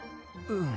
うん。